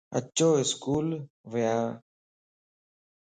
اچو اسڪول ونيا